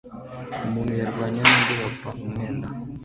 Umuntu yarwanye nundi bapfa umwenda